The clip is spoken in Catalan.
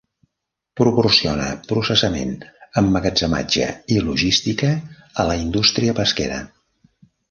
Proporciona processament, emmagatzematge i logística a la indústria pesquera.